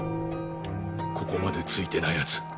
ここまでついてない奴